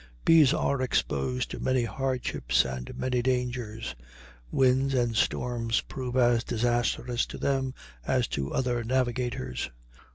Bees are exposed to many hardships and many dangers. Winds and storms prove as disastrous to them as to other navigators.